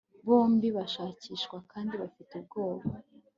bombi bashakishwa kandi bafite ubwoba